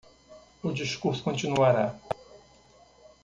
O discurso continuará.